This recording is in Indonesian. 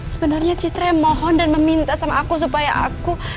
sebenarnya citra mohon dan meminta sama aku supaya aku